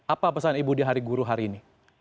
apa pesan ibu di hari guru hari ini